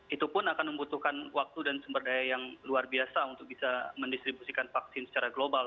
itu pun akan membutuhkan waktu dan sumber daya yang luar biasa untuk bisa mendistribusikan vaksin secara global